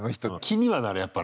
気にはなる、やっぱ。